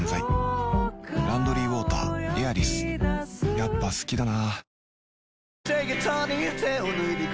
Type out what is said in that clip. やっぱ好きだな